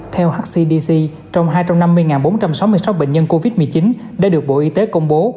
theo hcdc trong hai trăm năm mươi bốn trăm sáu mươi sáu bệnh nhân covid một mươi chín đã được bộ y tế công bố